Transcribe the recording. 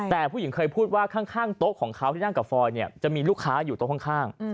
แต่ผู้หญิงเคยพูดว่าข้างโต๊ะของเขาที่นั่งกับฟอยเนี่ยจะมีลูกค้าอยู่โต๊ะข้าง